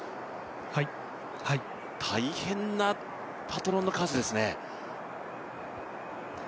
大変なパトロンの数ですね。